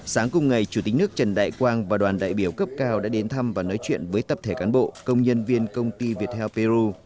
sáng cùng ngày chủ tịch nước trần đại quang và đoàn đại biểu cấp cao đã đến thăm và nói chuyện với tập thể cán bộ công nhân viên công ty viettel peru